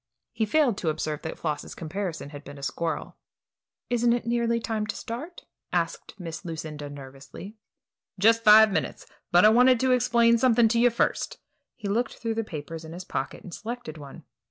He failed to observe that Floss's comparison had been a squirrel. "Isn't it nearly time to start?" asked Miss Lucinda, nervously. "Just five minutes; but I want to explain something to you first." He looked through the papers in his pocket and selected one.